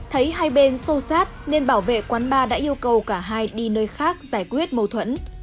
thấy hai bên sâu sát nên bảo vệ quán bar đã yêu cầu cả hai đi nơi khác giải quyết mâu thuẫn